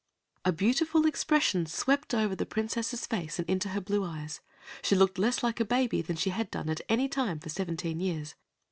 A beautiful expression swept over the Princess's face and into her blue eyes. She looked less like a baby than she had done at any time for seventeen years.